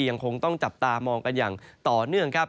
เพราะว่าอยู่ในแนวประเวณทางพื้นที่ภาคอิสานตอนล่างนะครับ